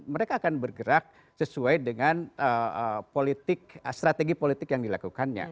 mereka akan bergerak sesuai dengan strategi politik yang dilakukannya